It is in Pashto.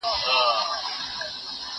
ما مخکي د سبا لپاره د ليکلو تمرين کړی وو؟!